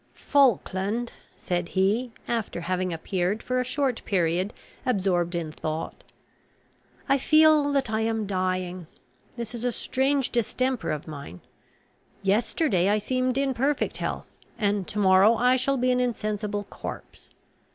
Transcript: "Falkland," said he, after having appeared for a short period absorbed in thought, "I feel that I am dying. This is a strange distemper of mine. Yesterday I seemed in perfect health, and to morrow I shall be an insensible corpse.